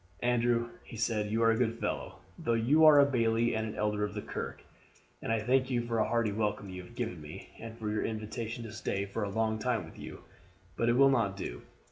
"Andrew," he said, "you are a good fellow, though you are a bailie and an elder of the kirk, and I thank you for the hearty welcome you have given me, and for your invitation to stay for a long time with you; but it will not do.